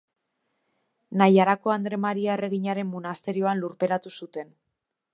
Naiarako Andre Maria Erreginaren monasterioan lurperatu zuten.